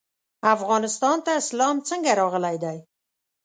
افغانستان ته اسلام څنګه راغلی دی؟